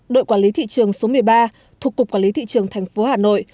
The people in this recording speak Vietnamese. đội quản lý thị trường số một mươi ba thuộc cục quản lý thị trường tp hà nội